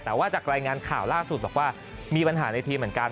แต่ว่าจากรายงานข่าวล่าสุดบอกว่ามีปัญหาในทีมเหมือนกัน